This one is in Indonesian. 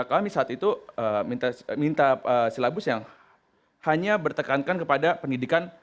kami saat itu minta silabus yang hanya bertekankan kepada pendidikan